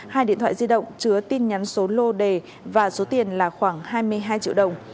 hai điện thoại di động chứa tin nhắn số lô đề và số tiền là khoảng hai mươi hai triệu đồng